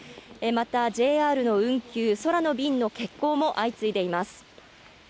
また、ＪＲの運休、空の便の欠航も相次いでいます。